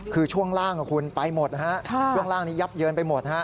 คือช่วงล่างคุณไปหมดนะฮะช่วงล่างนี้ยับเยินไปหมดฮะ